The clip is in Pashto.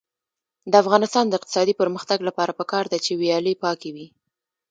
د افغانستان د اقتصادي پرمختګ لپاره پکار ده چې ویالې پاکې وي.